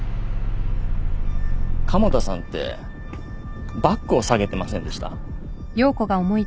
加茂田さんってバッグを提げてませんでした？